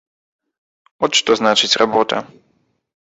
От што значыць работа!